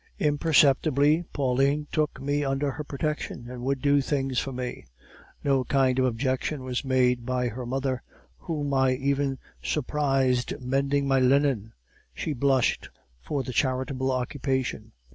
"Imperceptibly Pauline took me under her protection, and would do things for me. No kind of objection was made by her mother, whom I even surprised mending my linen; she blushed for the charitable occupation.